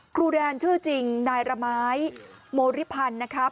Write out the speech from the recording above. ครูแดนชื่อจริงนายระไม้โมริพันธ์นะครับ